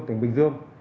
tỉnh bình dương